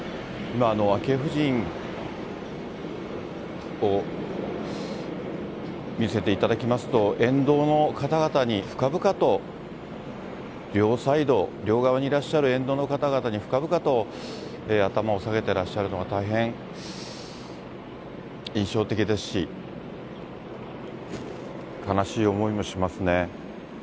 今、昭恵夫人を見せていただきますと、沿道の方々に深々と両サイド、両側にいらっしゃる沿道の方々に、深々と頭を下げてらっしゃるのが大変印象的ですし、悲しい思いもしますね。